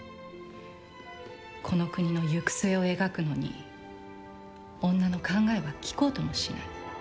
この国の行く末を描くのに女の考えは聞こうともしない。